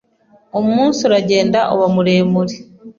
Umunsi uragenda uba muremure.